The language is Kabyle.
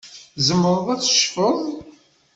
Tzemreḍ ad tecfeḍ.